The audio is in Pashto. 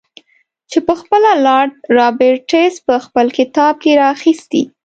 چې پخپله لارډ رابرټس په خپل کتاب کې را اخیستی.